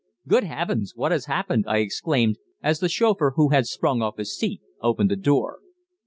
"Good heavens! What has happened?" I exclaimed, as the chauffeur, who had sprung off his seat, opened the door.